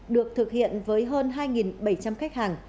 được thực hiện với hơn hai bảy trăm linh khách hàng